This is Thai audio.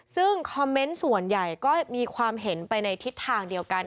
ซึ่งคอมเมนต์ส่วนใหญ่ก็มีความเห็นไปในทิศทางเดียวกัน